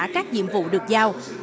các nhiệm vụ được giao